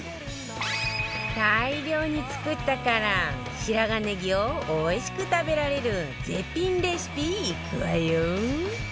大量に作ったから白髪ネギをおいしく食べられる絶品レシピいくわよ